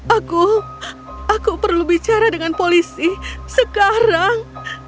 aku aku perlu bicara dengan polisi sekarang